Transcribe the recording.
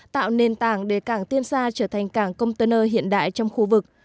tạo nền tảng để cảng tiên sa trở thành cảng container hiện đại trong khu vực